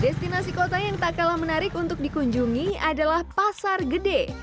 destinasi kota yang tak kalah menarik untuk dikunjungi adalah pasar gede